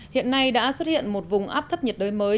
hiện nay đã xuất hiện một vùng áp thấp nhiệt đới mới